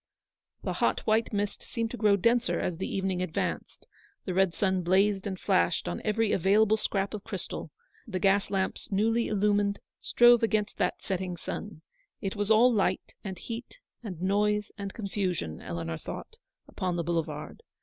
The hot white mist seemed to grow denser as the evening advanced ; the red sun blazed and flashed on every available scrap of crystal ; the gas lamps newly illumined, strove against that setting sun. It was all light, and heat, and noise, and confusion, Eleanor thought, upon the boulevard.